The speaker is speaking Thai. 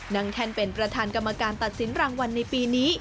แท่นเป็นประธานกรรมการตัดสินรางวัลในปีนี้